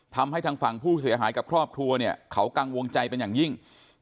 ทำให้ทางฝั่งผู้เสียหายกับครอบครัวเนี่ยเขากังวลใจเป็นอย่างยิ่ง